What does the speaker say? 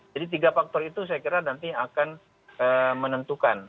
jadi tiga faktor itu saya kira nanti akan menentukan